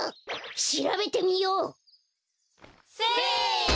しらべてみよう！せの！